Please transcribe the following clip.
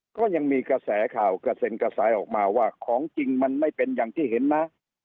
ก็ยังมีกระแสข่าวกระเซ็นกระแสออกมาว่าของจริงมันไม่เป็นอย่างที่เห็นนะ